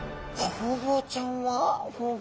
ホウボウちゃんは？